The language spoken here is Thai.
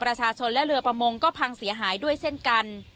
ประชาชนและเรือประมงก็พังเสียหายด้วยเช่นกัน